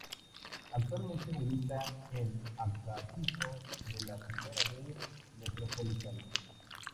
Actualmente milita en Acassuso de la Primera B Metropolitana.